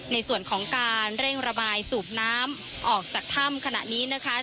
ในส่วนของการเร่งระบายสูบน้ำออกจากถ้ำขณะนี้นะคะ